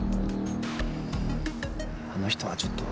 あの人はちょっと。